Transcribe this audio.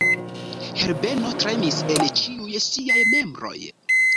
Herbeno tremis en ĉiuj siaj membroj.